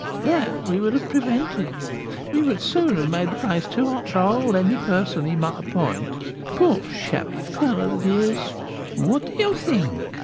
That we would have prevented; we would soon have made the place too hot to hold any person he might appoint, poor, shabby fellow that he is! What do you think?